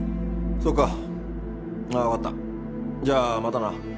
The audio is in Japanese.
そっかあぁわかったじゃあまたな。